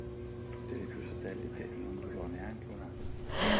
Telepiù Satellite non durò neanche un anno.